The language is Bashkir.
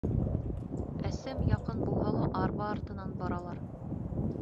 Әсәм яҡын булһа ла, арба артынан баралар